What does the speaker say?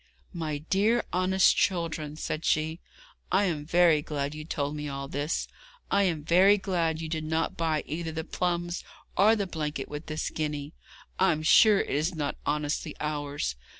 'My dear honest children,' said she, 'I am very glad you told me all this. I am very glad that you did not buy either the plums or the blanket with this guinea. I'm sure it is not honestly ours.